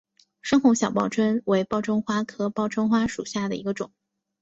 深红小报春为报春花科报春花属下的一个种。